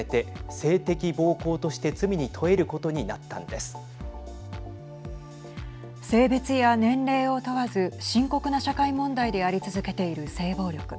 性別や年齢を問わず深刻な社会問題であり続けている性暴力。